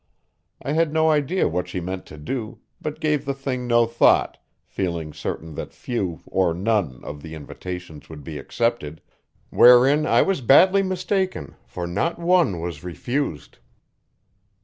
I had no idea what she meant to do; but gave the thing no thought, feeling certain that few, or none, of the invitations would be accepted wherein I was badly mistaken, for not one was refused.